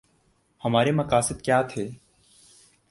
ہمارے مقاصد کیا تھے؟